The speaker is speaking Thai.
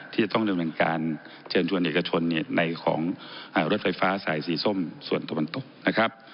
ที่จะต้องเป็นการเจนชวนเอกชนในของรถไฟฟ้าสายสีส้มส่วนตะวันตก